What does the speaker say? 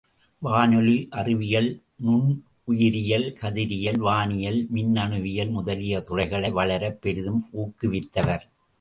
வானொலி அறிவியல், நுண்ணுயிரியல், கதிரியல் வானியல், மின்னணுவியல் முதலிய துறைகள் வளரப் பெரிதும் ஊக்குவித்தவர்.